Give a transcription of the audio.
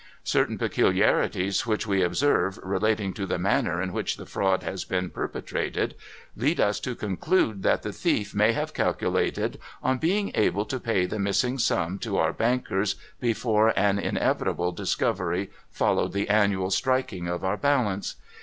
Certain peculiarities which we observe, relating to the manner in which the fraud has been per petrated, lead us to conclude that the thief may have calculated on being able to pay the missing sum to our bankers, before an inevi table discovery followed the annual striking of our balance.